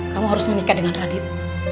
kamu harus menikah dengan radit